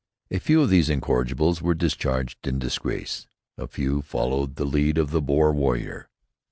A few of these incorrigibles were discharged in disgrace. A few followed the lead of the Boer warrior.